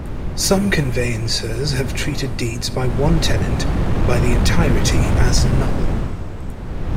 Some conveyancers have treated deeds by one tenant by the entirety as null.